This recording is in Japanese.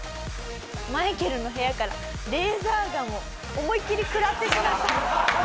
マイケルの部屋からレーザーガンを思いっきり食らってしまった。